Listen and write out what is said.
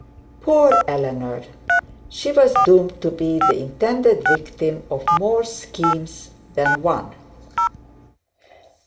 Poor Eleanor! She was doomed to be the intended victim of more schemes than one.